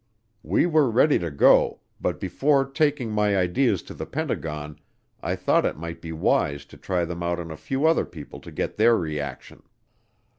We were ready to go, but before taking my ideas to the Pentagon, I thought it might be wise to try them out on a few other people to get their reaction.